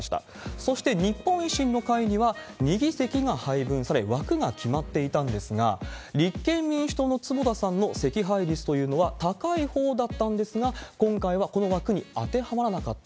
そして日本維新の会には２議席が配分され、枠が決まっていたんですが、立憲民主党の坪田さんの惜敗率というのは高いほうだったんですが、今回はこの枠に当てはまらなかった。